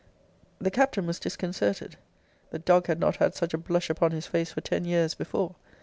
The Captain was disconcerted. The dog had not had such a blush upon his face for ten years before.